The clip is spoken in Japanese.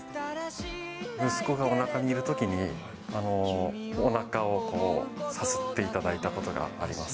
息子がおなかにいるときに、おなかをさすっていただいたことがあります。